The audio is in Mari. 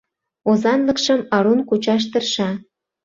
Озанлыкшым арун кучаш тырша.